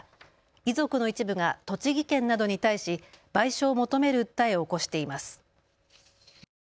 遺族の一部が栃木県などに対し賠償を求める訴えを起こしています。